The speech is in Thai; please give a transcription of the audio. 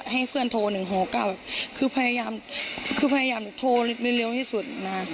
ให้เพื่อนโทรหนึ่งห่วก็แบบคือพยายามที่โทรเร็วที่สุด